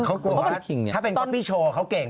เขากลัวว่าถ้าเป็นก๊อปปี้โชว์เขาเก่ง